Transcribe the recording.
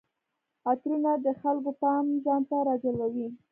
عطرونه د خلکو پام ځان ته راجلبوي.